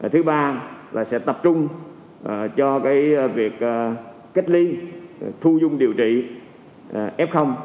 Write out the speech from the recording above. thứ ba là sẽ tập trung cho việc cách ly thu dung điều trị f